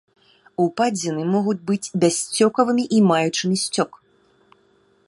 Упадзіны могуць быць бяссцёкавымі і маючымі сцёк.